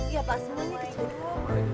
iya pak semuanya kecil